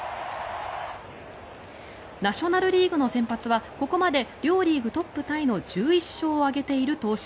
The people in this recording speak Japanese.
ナショナル・リーグの先発はここまで両リーグトップタイの１１勝を挙げている投手。